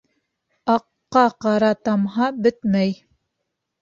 Аҡҡа ҡара тамһа, бөтмәй.